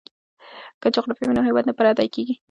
که جغرافیه وي نو هیواد نه پردی کیږي.